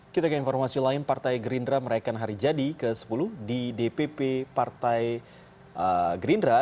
kita ke informasi lain partai gerindra merayakan hari jadi ke sepuluh di dpp partai gerindra